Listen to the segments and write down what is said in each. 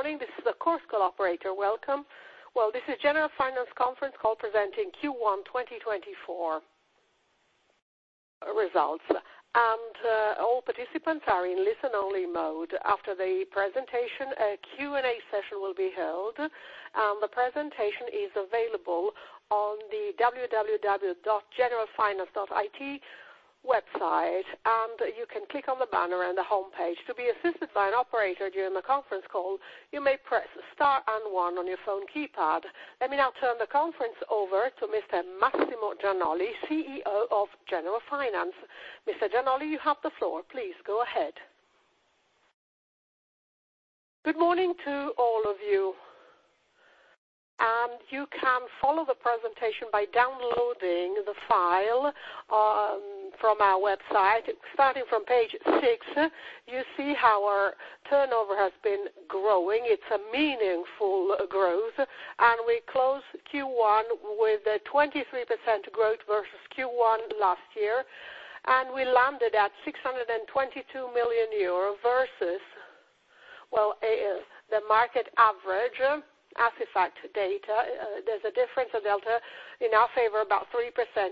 Good morning. This is the Chorus Call operator. Welcome. Well, this is Generalfinance conference call presenting Q1 2024 results. All participants are in listen-only mode. After the presentation, a Q&A session will be held. The presentation is available on the www.generalfinance.it website, and you can click on the banner on the homepage. To be assisted by an operator during the conference call, you may press star and one on your phone keypad. Let me now turn the conference over to Mr. Massimo Gianolli, CEO of Generalfinance. Mr. Gianolli, you have the floor. Please go ahead. Good morning to all of you, and you can follow the presentation by downloading the file from our website. Starting from page six, you see how our turnover has been growing. It's a meaningful growth. We closed Q1 with a 23% growth versus Q1 last year, and we landed at 622 million euro versus the market average, Assifact data. There's a difference, a delta in our favor, about 3%.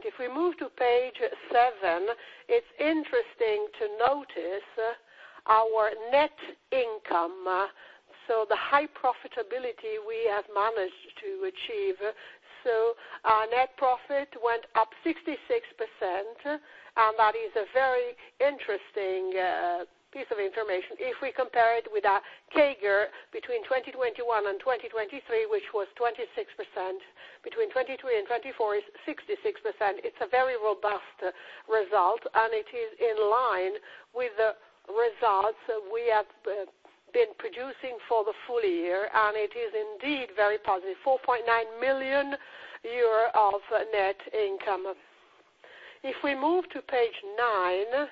If we move to page seven, it's interesting to notice our net income, so the high profitability we have managed to achieve. Our net profit went up 66%, and that is a very interesting piece of information. If we compare it with our CAGR between 2021 and 2023, which was 26%, between 2023 and 2024, it's 66%. It's a very robust result, and it is in line with the results we have been producing for the full year. It is indeed very positive, 4.9 million euro of net income. If we move to page nine,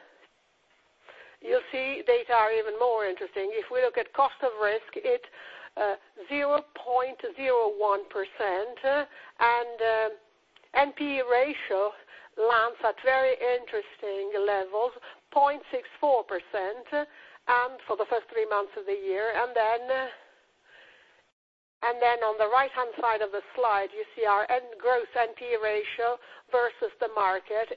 you'll see data are even more interesting. If we look at cost of risk, it's 0.01%, and NPE ratio lands at very interesting levels, 0.64% for the first three months of the year. On the right-hand side of the slide, you see our gross NPE ratio versus the market.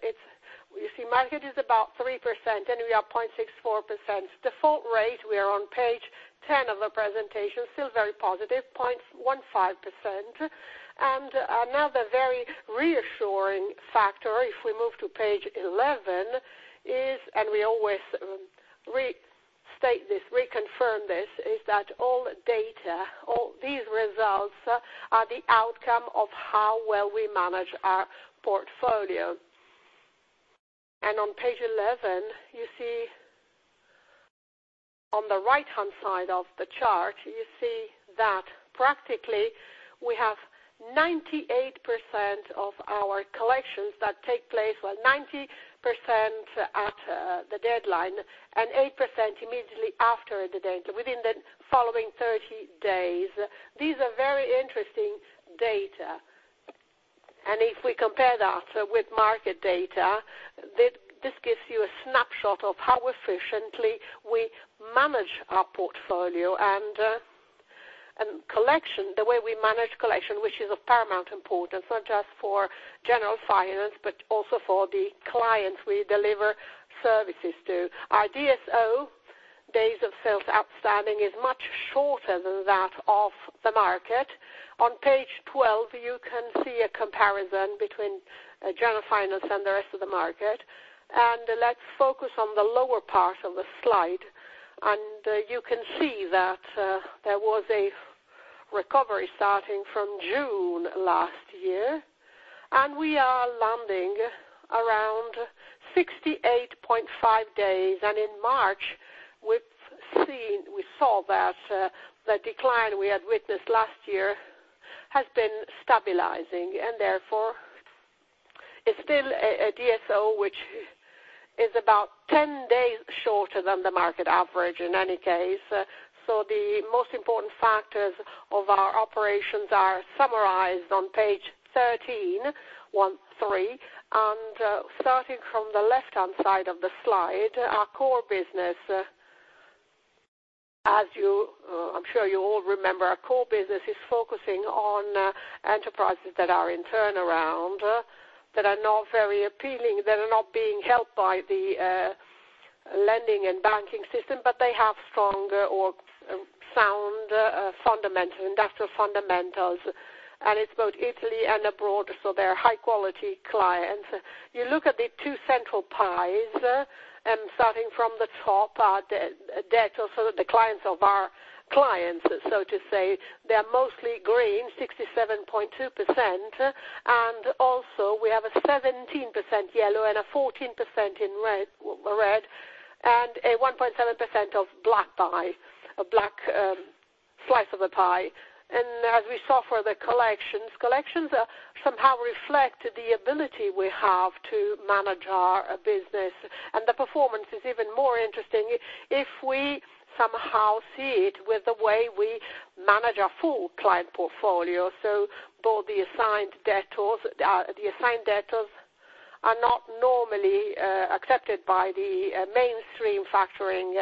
You see market is about 3%, and we are 0.64%. Default rate, we are on page 10 of the presentation, still very positive, 0.15%. Another very reassuring factor, if we move to page 11, and we always reconfirm this, is that all these results are the outcome of how well we manage our portfolio. On page 11 you see on the right-hand side of the chart, you see that practically we have 98% of our collections that take place, well, 90% at the deadline and 8% immediately after the date, within the following 30 days. These are very interesting data, and if we compare that with market data, this gives you a snapshot of how efficiently we manage our portfolio and collection, the way we manage collection, which is of paramount importance, not just for Generalfinance but also for the clients we deliver services to. Our DSO, days of sales outstanding, is much shorter than that of the market. On page 12, you can see a comparison between Generalfinance and the rest of the market. Let's focus on the lower part of the slide, and you can see that there was a recovery starting from June last year, and we are landing around 68.5 days. In March we saw that the decline we had witnessed last year has been stabilizing and therefore is still a DSO, which is about 10 days shorter than the market average in any case. The most important factors of our operations are summarized on page 13, one, three. Starting from the left-hand side of the slide, our core business, I'm sure you all remember, our core business is focusing on enterprises that are in turnaround, that are not very appealing, that are not being helped by the lending and banking system, but they have strong or sound industrial fundamentals. It's both Italy and abroad, so they're high-quality clients. You look at the two central pies. Starting from the top are debtors, so the clients of our clients, so to say. They're mostly green, 67.2%, and also we have a 17% yellow and a 14% in red, and a 1.7% of black slice of a pie. As we saw for the collections somehow reflect the ability we have to manage our business. The performance is even more interesting if we somehow see it with the way we manage our full client portfolio. Both the assigned debtors are not normally accepted by the mainstream factoring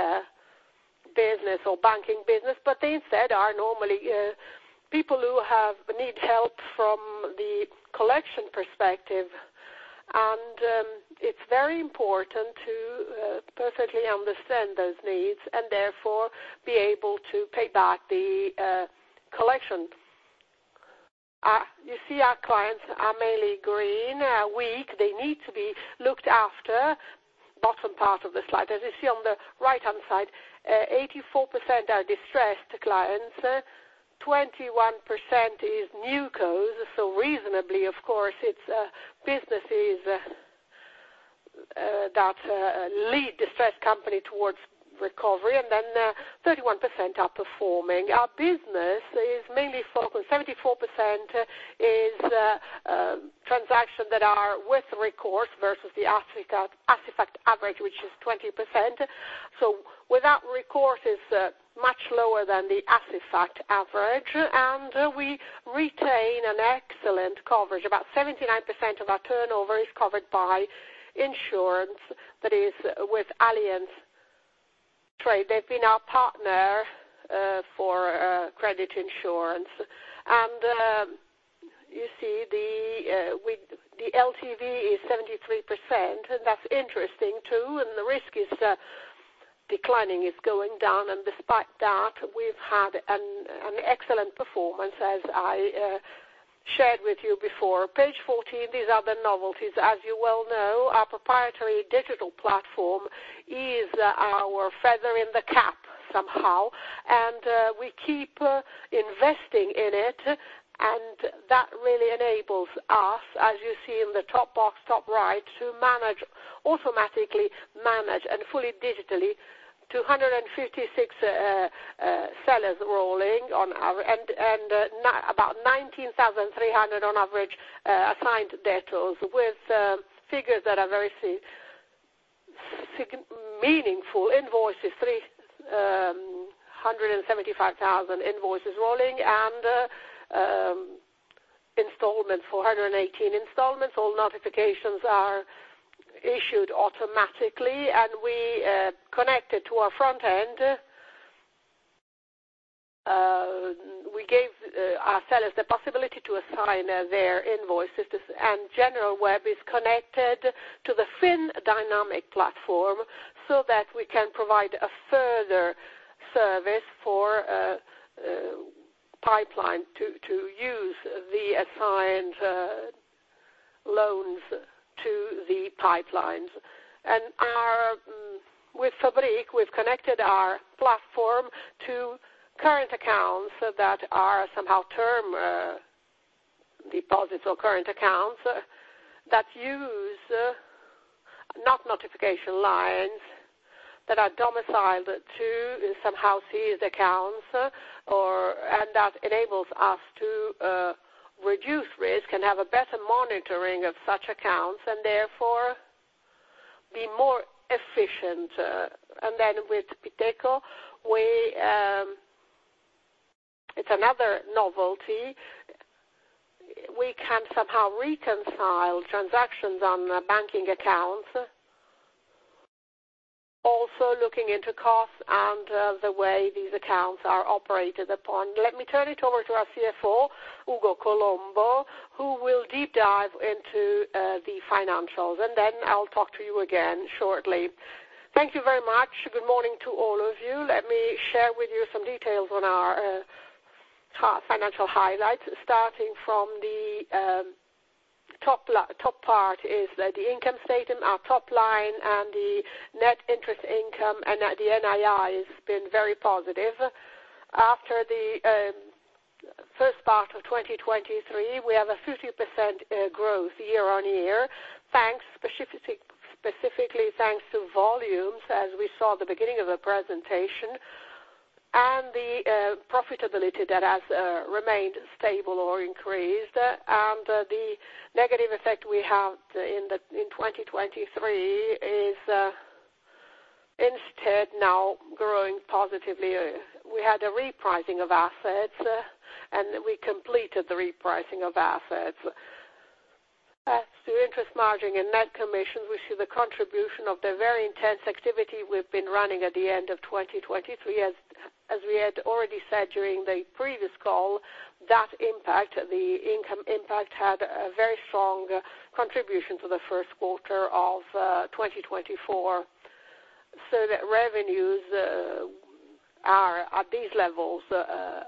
business or banking business, but they instead are normally people who need help from the collection perspective. It's very important to perfectly understand those needs and therefore be able to pay back the collection. You see our clients are mainly green, are weak. They need to be looked after. Bottom part of the slide, as you see on the right-hand side, 84% are distressed clients. 21% is newco, so reasonably, of course, it's businesses that lead distressed company towards recovery. 31% are performing. Our business is mainly focused, 74% is transactions that are with recourse versus the Assifact average, which is 20%. Without recourse is much lower than the Assifact average. We retain an excellent coverage. About 79% of our turnover is covered by insurance, that is with Allianz Trade. They've been our partner for credit insurance. You see, the LTV is 73%, and that's interesting too. The risk is declining, it's going down. Despite that, we've had an excellent performance, as I shared with you before. Page 14, these are the novelties. As you well know, our proprietary digital platform is our feather in the cap somehow, and we keep investing in it. That really enables us, as you see in the top box, top right, to automatically manage and fully digitally 256 sellers rolling, and about 19,300 on average assigned debtors with figures that are very meaningful. Invoices, 375,000 invoices rolling and installments, 418 installments. All notifications are issued automatically, and we connected to our front end. We gave our sellers the possibility to assign their invoices, and GeneralWeb is connected to the FinDynamic platform so that we can provide a further service for pipeline to use the assigned loans to the pipelines. With Fabrick, we've connected our platform to current accounts that are somehow term deposits or current accounts that use non-notification lines, that are domiciled to somehow seized accounts, and that enables us to reduce risk and have a better monitoring of such accounts, and therefore be more efficient. With Piteco, it's another novelty. We can somehow reconcile transactions on banking accounts, also looking into costs and the way these accounts are operated upon. Let me turn it over to our CFO, Ugo Colombo, who will deep dive into the financials, and then I'll talk to you again shortly. Thank you very much. Good morning to all of you. Let me share with you some details on our financial highlights. Starting from the top part is the income statement, our top line, and the net interest income. The NII has been very positive. After the first part of 2023, we have a 50% growth year-on-year, specifically thanks to volumes, as we saw at the beginning of the presentation, and the profitability that has remained stable or increased. The negative effect we had in 2023 is instead now growing positively. We had a repricing of assets, and we completed the repricing of assets. As to interest margin and net commissions, we see the contribution of the very intense activity we've been running at the end of 2023. As we had already said during the previous call, that impact, the income impact, had a very strong contribution to the first quarter of 2024. Revenues are at these levels,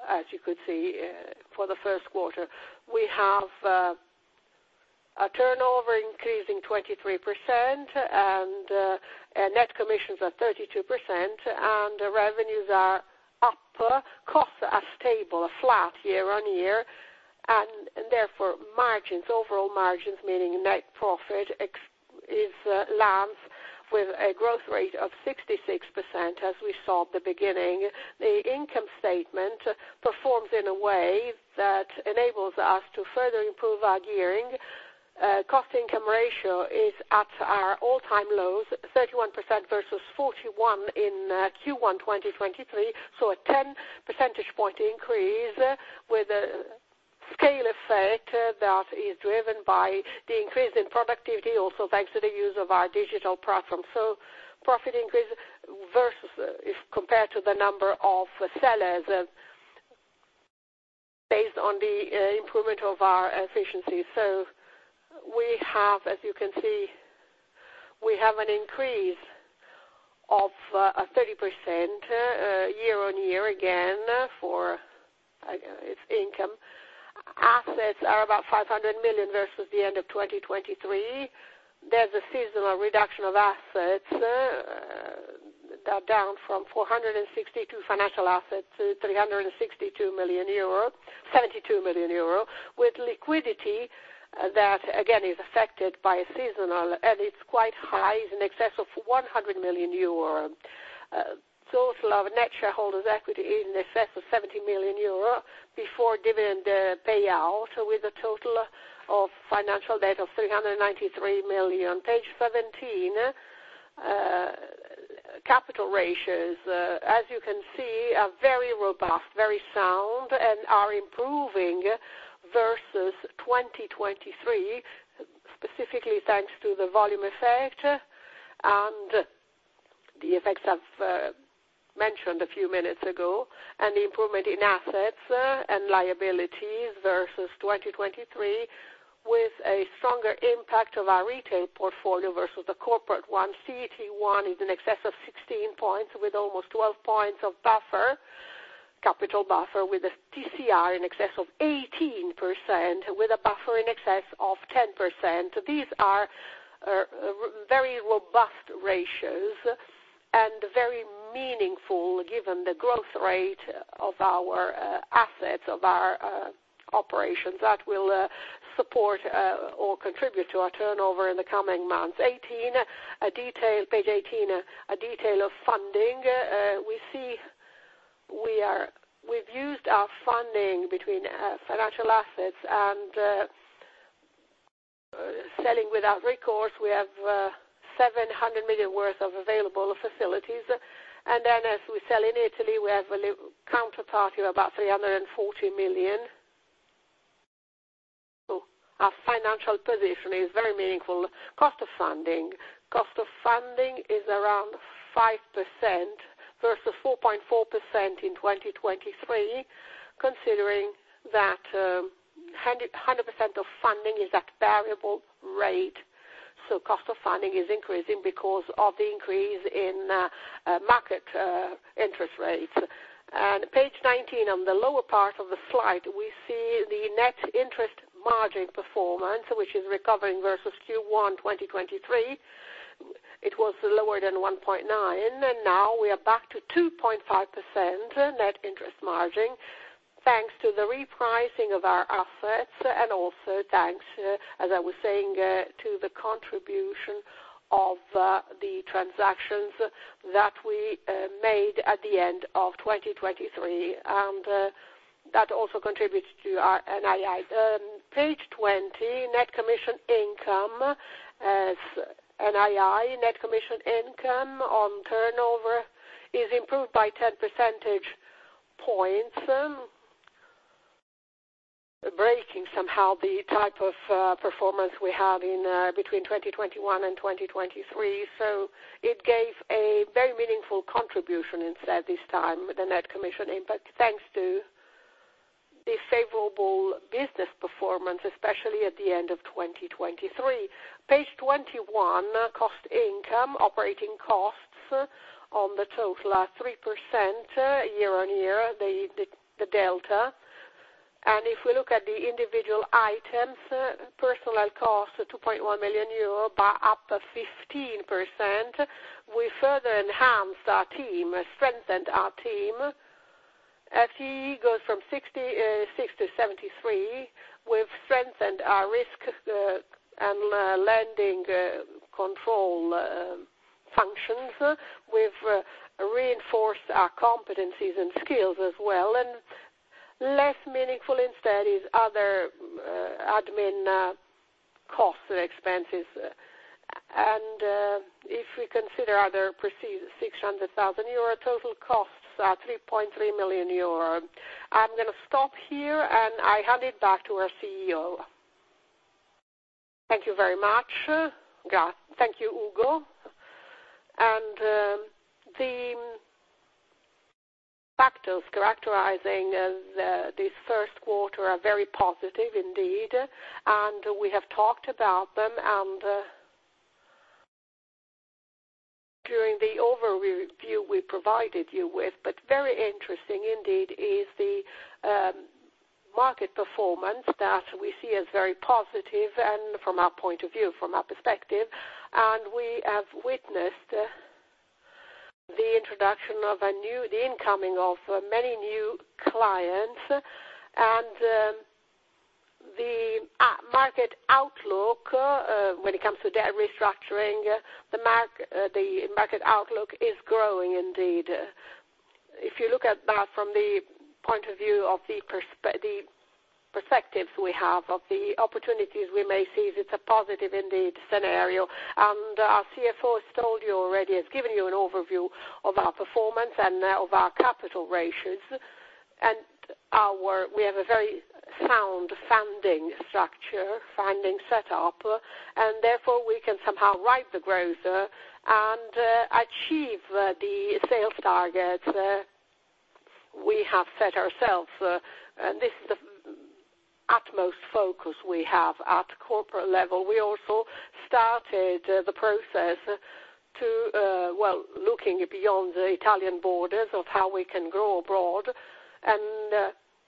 as you could see, for the first quarter. We have a turnover increasing 23%, and net commissions are 32%, and revenues are up. Costs are stable, flat year-on-year, and therefore margins, overall margins, meaning net profit, lands with a growth rate of 66%, as we saw at the beginning. The income statement performs in a way that enables us to further improve our gearing. Cost-income ratio is at our all-time lows, 31% versus 41% in Q1 2023, so a 10 percentage point increase with a scale effect that is driven by the increase in productivity, also thanks to the use of our digital platform. Profit increase versus if compared to the number of sellers, based on the improvement of our efficiency. As you can see, we have an increase of 30% year-on-year again, for its income. Assets are about 500 million versus the end of 2023. There's a seasonal reduction of assets. They're down from 462 financial assets to 362 million euro, 72 million euro, with liquidity that, again, is affected by seasonal, and it's quite high, in excess of 100 million euro. Total of net shareholders' equity in excess of 70 million euro before dividend payout, with a total of financial debt of 393 million. Page 17, capital ratios, as you can see, are very robust, very sound, and are improving versus 2023, specifically thanks to the volume effect and the effects I've mentioned a few minutes ago, and the improvement in assets and liabilities versus 2023, with a stronger impact of our retail portfolio versus the corporate one. CET1 is in excess of 16 points with almost 12 points of capital buffer, with a TCR in excess of 18%, with a buffer in excess of 10%. These are very robust ratios and very meaningful given the growth rate of our assets, of our operations, that will support or contribute to our turnover in the coming months. Page 18, a detail of funding. We see we've used our funding between financial assets and selling without recourse. We have 700 million worth of available facilities. As we sell in Italy, we have a counterparty of about 340 million. Our financial position is very meaningful. Cost of funding. Cost of funding is around 5% versus 4.4% in 2023, considering that 100% of funding is at variable rate, so cost of funding is increasing because of the increase in market interest rates. Page 19, on the lower part of the slide, we see the net interest margin performance, which is recovering versus Q1 2023. It was lower than 1.9%, and now we are back to 2.5% net interest margin, thanks to the repricing of our assets and also thanks, as I was saying, to the contribution of the transactions that we made at the end of 2023. That also contributes to our NII. Page 20, net commission income as NII. Net commission income on turnover is improved by 10 percentage points, breaking somehow the type of performance we had between 2021 and 2023. It gave a very meaningful contribution instead this time with the net commission impact, thanks to the favorable business performance, especially at the end of 2023. Page 21, cost-income, operating costs on the total are 3% year-on-year, the delta. And if we look at the individual items, personnel costs 2.1 million euro, but up 15%, we further enhanced our team, strengthened our team. FTE goes from 66 to 73. We've strengthened our risk and lending control functions. We've reinforced our competencies and skills as well, and less meaningful instead is other admin costs and expenses. And if we consider other perceived 600,000 euro, total costs are 3.3 million euro. I'm going to stop here, and I hand it back to our CEO. Thank you very much. Thank you, Ugo. And the factors characterizing this first quarter are very positive indeed. And we have talked about them and during the overview we provided you with, but very interesting indeed is the market performance that we see as very positive and from our point of view, from our perspective, and we have witnessed the introduction of the incoming of many new clients. The market outlook, when it comes to debt restructuring, the market outlook is growing indeed. If you look at that from the point of view of the perspectives we have of the opportunities we may seize, it's a positive indeed scenario. Our CFO has told you already, has given you an overview of our performance and of our capital ratios. We have a very sound funding structure, funding set up, and therefore we can somehow ride the growth and achieve the sales targets we have set ourselves. This is the utmost focus we have at corporate level. We also started the process to looking beyond the Italian borders of how we can grow abroad.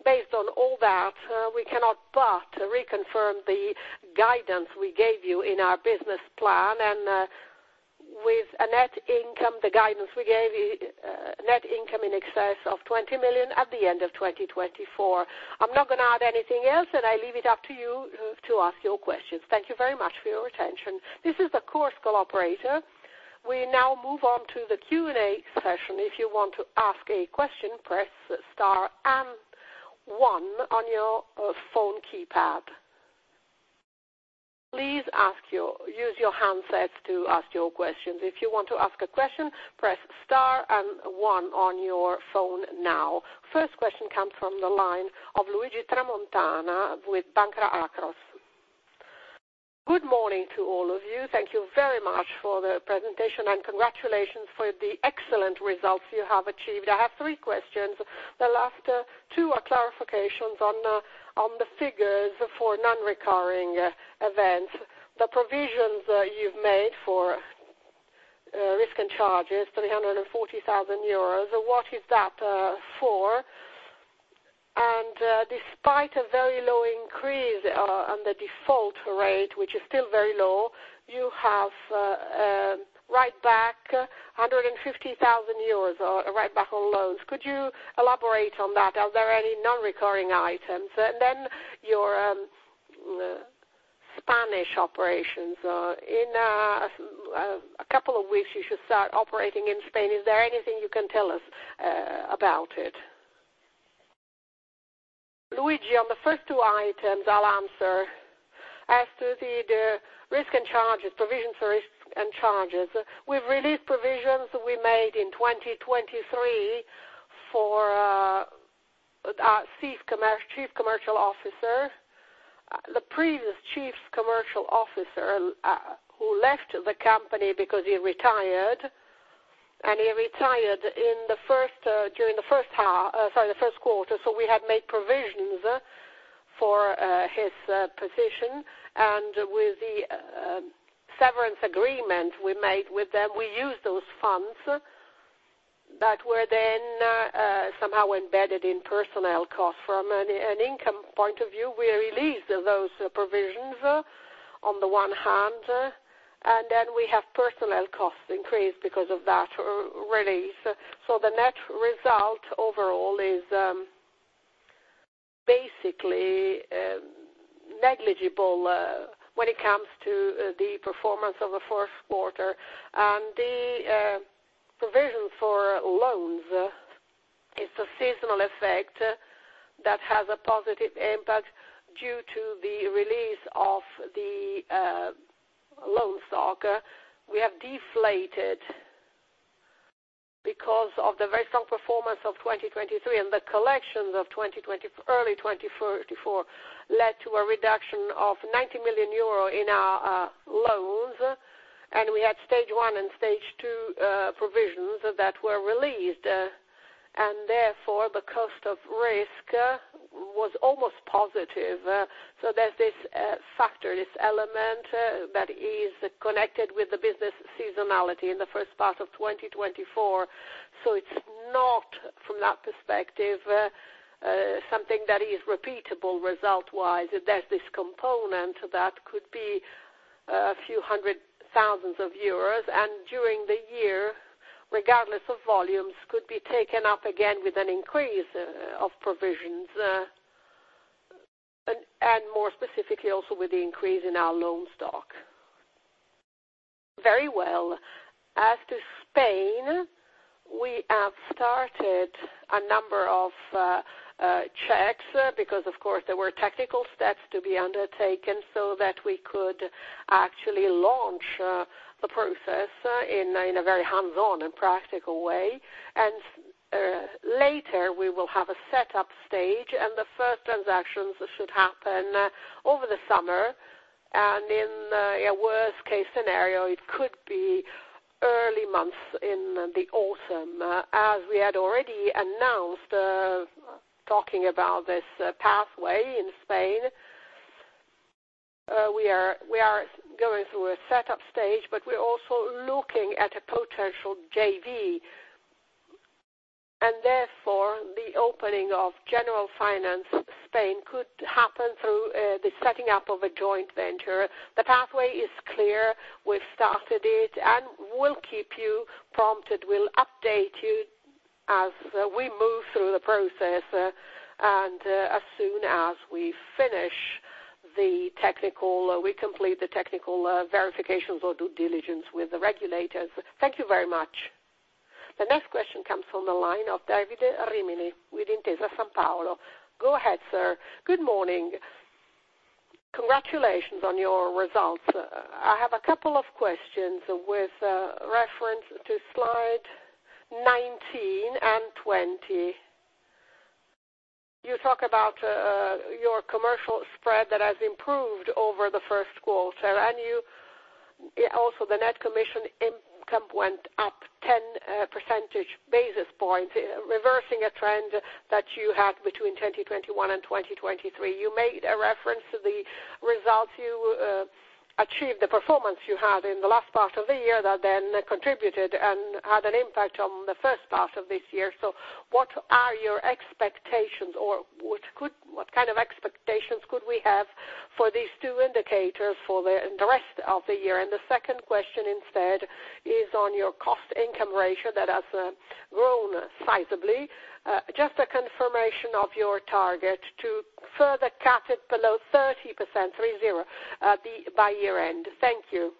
Based on all that, we cannot but reconfirm the guidance we gave you in our business plan. With a net income, the guidance we gave you, net income in excess of 20 million at the end of 2024. I'm not going to add anything else, and I leave it up to you to ask your questions. Thank you very much for your attention. This is the Chorus Call Operator. We now move on to the Q&A session. If you want to ask a question, press star and one on your phone keypad. Please use your handsets to ask your questions. If you want to ask a question, press star and one on your phone now. First question comes from the line of Luigi Tramontana with Banca Akros. Good morning to all of you. Thank you very much for the presentation, and congratulations for the excellent results you have achieved. I have three questions. The last two are clarifications on the figures for non-recurring events. The provisions you've made for risk and charges, 340,000 euros, what is that for? Despite a very low increase on the default rate, which is still very low, you have write back 150,000 euros or write back on loans. Could you elaborate on that? Are there any non-recurring items? Your Spanish operations. In a couple of weeks, you should start operating in Spain. Is there anything you can tell us about it? Luigi, on the first two items, I'll answer. As to the risk and charges, provisions for risks and charges, we've released provisions we made in 2023 for our Chief Commercial Officer. The previous Chief Commercial Officer, who left the company because he retired, and he retired during the first quarter, so we had made provisions for his position. With the severance agreement we made with them, we used those funds that were then somehow embedded in personnel costs. From an income point of view, we released those provisions on the one hand, and then we have personnel costs increased because of that release. The net result overall is basically negligible when it comes to the performance of the fourth quarter. The provisions for loans is a seasonal effect that has a positive impact due to the release of the loan stock. We have deflated because of the very strong performance of 2023 and the collections of early 2024 led to a reduction of 90 million euro in our loans, and we had Stage 1 and Stage 2 provisions that were released. Therefore, the cost of risk was almost positive. There's this factor, this element that is connected with the business seasonality in the first part of 2024. It's not, from that perspective, something that is repeatable result-wise. There's this component that could be a few hundred thousands of euros, and during the year, regardless of volumes, could be taken up again with an increase of provisions, and more specifically, also with the increase in our loan stock. Very well. As to Spain, we have started a number of checks because, of course, there were technical steps to be undertaken so that we could actually launch the process in a very hands-on and practical way. Later, we will have a set-up stage, and the first transactions should happen over the summer. In a worst-case scenario, it could be early months in the autumn. As we had already announced, talking about this pathway in Spain, we are going through a setup stage, but we're also looking at a potential JV, and therefore the opening of Generalfinance Spain could happen through the setting up of a joint venture. The pathway is clear. We've started it, and we'll keep you posted. We'll update you as we move through the process, and as soon as we complete the technical verifications or due diligence with the regulators. Thank you very much. The next question comes from the line of Davide Rimini with Intesa Sanpaolo. Go ahead, sir. Good morning. Congratulations on your results. I have a couple of questions with reference to slide 19 and 20. You talk about your commercial spread that has improved over the first quarter, and also the net commission income went up 10 percentage basis points, reversing a trend that you had between 2021 and 2023. You made a reference to the results you achieved, the performance you had in the last part of the year, that then contributed and had an impact on the first part of this year. What are your expectations, or what kind of expectations could we have for these two indicators for the rest of the year? The second question instead is on your cost-income ratio that has grown sizably. Just a confirmation of your target to further cut it below 30%, three zero, by year-end. Thank you.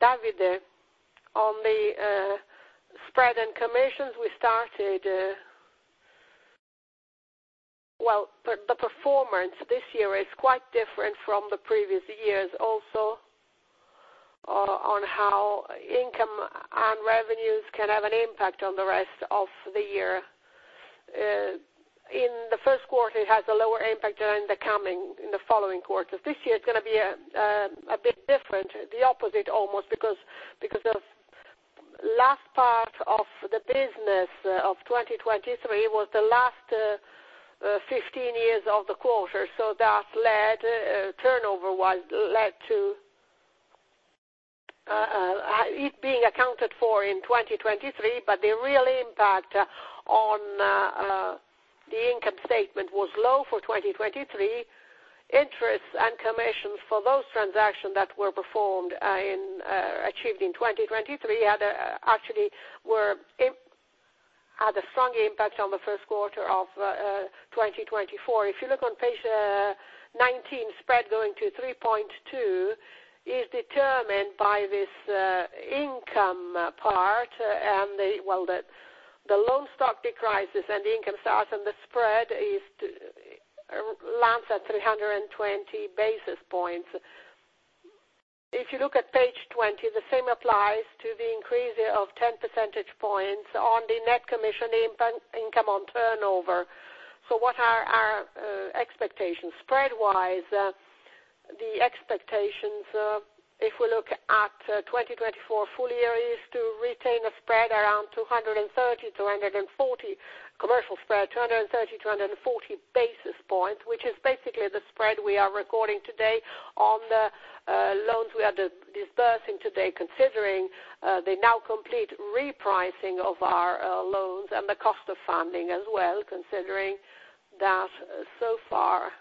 Davide, on the spread and commissions, we started... Well, the performance this year is quite different from the previous years, also on how income and revenues can have an impact on the rest of the year. In the first quarter, it has a lower impact than in the following quarters. This year it's going to be a bit different, the opposite almost, because the last part of the business of 2023 was the last 15 days of the quarter. That turnover led to it being accounted for in 2023, but the real impact on the income statement was low for 2023. Interest and commissions for those transactions that were achieved in 2023 actually had a strong impact on the first quarter of 2024. If you look on page 19, spread going to 3.2% is determined by this income part and the loan stock decreases and the income stays and the spread lands at 320 basis points. If you look at page 20, the same applies to the increase of 10 percentage points on the net commission income on turnover. What are our expectations? Spread-wise, the expectations, if we look at 2024 full year, is to retain a spread around 230-240 commercial spread, 230 basis points-240 basis points, which is basically the spread we are recording today on the loans we are disbursing today, considering the now complete repricing of our loans and the cost of funding as well, considering that so far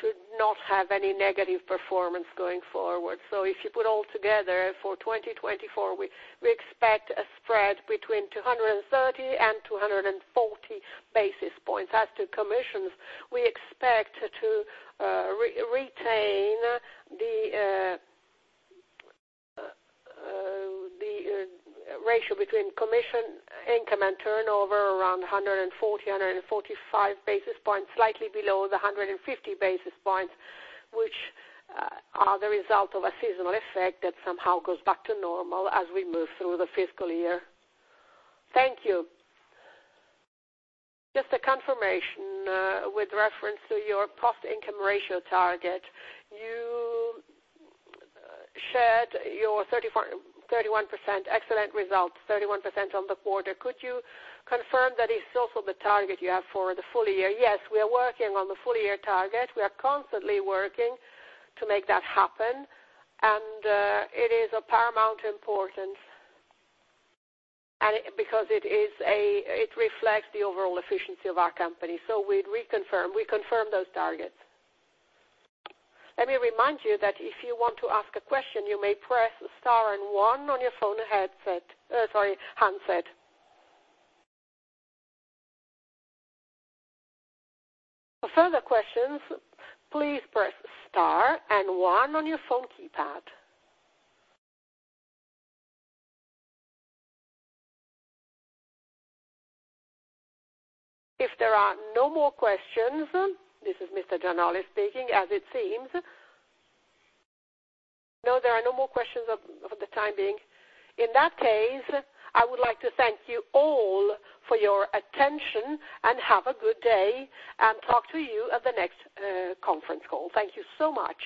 should not have any negative performance going forward. If you put all together for 2024, we expect a spread between 230 basis points and 240 basis points. As to commissions, we expect to retain the ratio between commission income and turnover around 140 basis points-145 basis points, slightly below the 150 basis points, which are the result of a seasonal effect that somehow goes back to normal as we move through the fiscal year. Thank you. Just a confirmation with reference to your cost-income ratio target. You shared your 31% excellent result, 31% on the quarter. Could you confirm that it's also the target you have for the full year? Yes, we are working on the full year target. We are constantly working to make that happen, and it is of paramount importance because it reflects the overall efficiency of our company. We confirm those targets. Let me remind you that if you want to ask a question, you may press star and one on your phone handset. For further questions, please press star and one on your phone keypad. If there are no more questions, this is Mr. Gianolli speaking, as it seems. No, there are no more questions at the time being. In that case, I would like to thank you all for your attention and have a good day. Talk to you at the next conference call. Thank you so much.